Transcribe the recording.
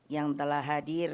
yang telah hadir